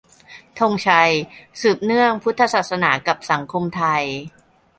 ธงชัย : สืบเนื่อง - พุทธศาสนากับสังคมไทย